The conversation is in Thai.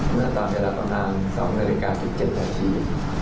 เมื่อตอนเวลาประมาณ๒นาฬิกา๑๗นาที